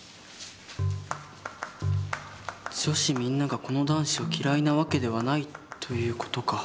女子みんながこの男子を嫌いな訳ではないという事か。